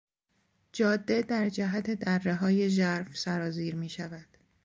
جاده در جهت درههای ژرف سرازیر میشود.